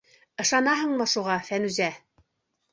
Ышанаһыңмы шуға, Фәнүзә?